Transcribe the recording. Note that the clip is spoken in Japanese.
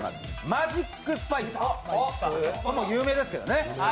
マジックスパイス、有名ですけどね。